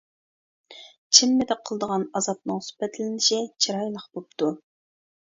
چىممىدە قىلىدىغان ئازابنىڭ سۈپەتلىنىشى چىرايلىق بوپتۇ.